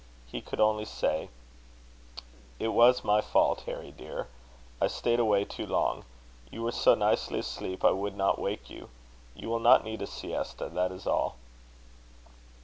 He could only say: "It was my fault, Harry dear. I stayed away too long. You were so nicely asleep, I would not wake you. You will not need a siesta, that is all."